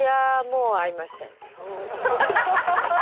もう会いましたよ。